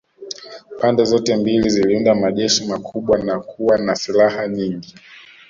Pande zote mbili ziliunda majeshi makubwa na kuwa na silaha nyingi